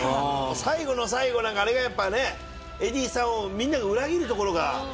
最後の最後あれがやっぱねエディーさんをみんなが裏切るところが。